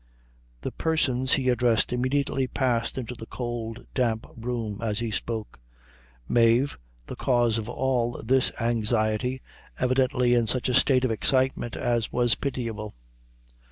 The persons he addressed immediately passed into the cold, damp room as he spoke Mave, the cause of all this anxiety, evidently in such a state of excitement as was pitiable.